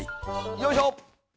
よいしょ！